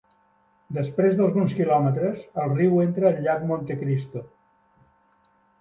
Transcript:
Després d'alguns quilòmetres, el riu entra al llac Monte Cristo.